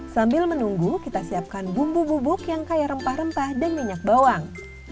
sambil menunggu kita siapkan bumbu bubuk yang kaya rempah rempah dan minyak bawang